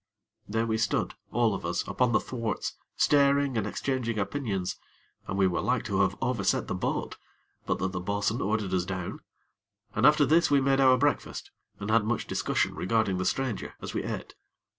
There we stood, all of us, upon the thwarts, staring and exchanging opinions, and were like to have overset the boat; but that the bo'sun ordered us down. And after this we made our breakfast, and had much discussion regarding the stranger, as we ate.